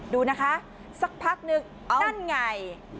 ดูนะคะสักพักนึงนั่นไง